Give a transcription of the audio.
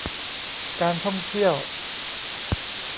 การท่องเที่ยว